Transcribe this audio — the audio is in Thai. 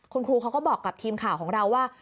คุณครูเขาก็บอกกับทีมข่าวของเราว่า